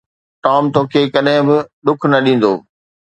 Tom توکي ڪڏهن به ڏک نه ڏيندو